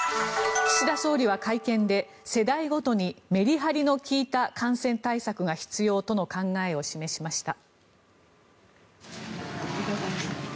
岸田総理は会見で世代ごとにメリハリの利いた感染対策が必要との考えを示しました。